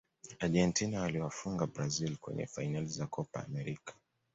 argentina waliwafunga brazil kwenye fainali za kopa amerika